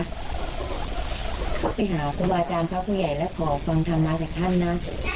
ก็ไปหาครูอาจารย์พระผู้ใหญ่แล้วขอฟังธรรมาจากท่านนะ